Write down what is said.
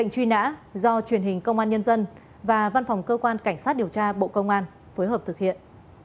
truy nã do truyền hình công an nhân dân và văn phòng cơ quan cảnh sát điều tra bộ công an phối hợp thực hiện